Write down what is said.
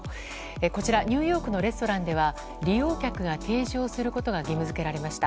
こちらニューヨークのレストランでは利用客が提示をすることが義務付けられました。